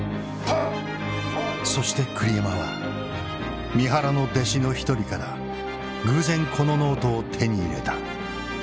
そして栗山は三原の弟子の一人から偶然このノートを手に入れた。